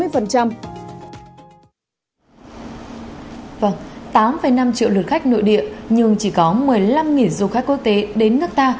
gần tám năm triệu lượt khách nội địa nhưng chỉ có một mươi năm du khách quốc tế đến nước ta